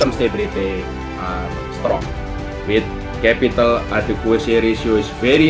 dengan rasio makrobudensial kapital yang sangat tinggi